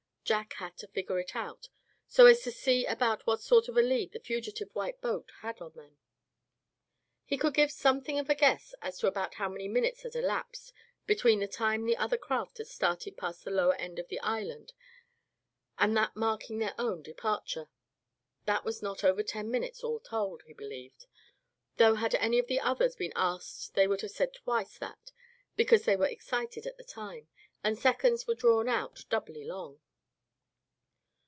Jack had to figure it out, so as to see about what sort of a lead the fugitive white boat had on them. He could give something of a guess as to about how many minutes had elapsed between the time the other craft had started past the lower end of the island, and that marking their own departure. That was not over ten minutes all told, he believed, though had any of the others been asked they would have said twice that because they were excited at the time, and seconds were drawn out doubly long.